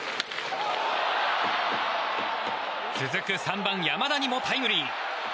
続く３番、山田にもタイムリー。